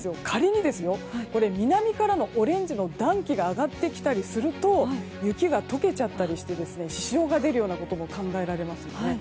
仮に、南からのオレンジの暖気が上がってきたりすると雪が解けちゃったりして支障が出るようなことも考えられますよね。